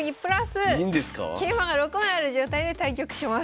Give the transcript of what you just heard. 桂馬が６枚ある状態で対局します。